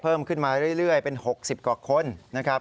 เพิ่มขึ้นมาเรื่อยเป็น๖๐กว่าคนนะครับ